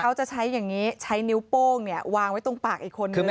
เขาจะใช้อย่างนี้ใช้นิ้วโป้งเนี่ยวางไว้ตรงปากอีกคนนึง